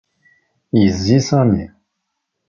Yezzi Sami.